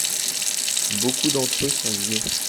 Beaucoup d’entre eux sont vieux.